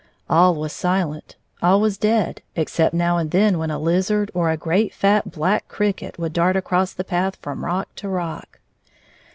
All was silent, all was dead except now and then when a lizard or a great fat, black cricket would dart across the path from rock to rock.